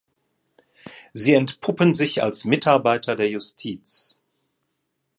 Sie entpuppen sich als Mitarbeiter der Justiz.